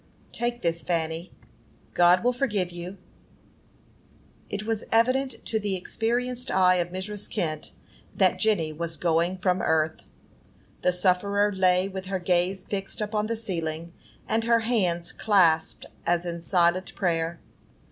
_" "Take this, Fanny: God will forgive you." It was evident to the experienced eye of Mrs. Kent that Jenny was going from earth. The sufferer lay with her gaze fixed upon the ceiling, and her hands clasped, as in silent prayer.